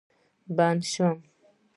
بندي شم.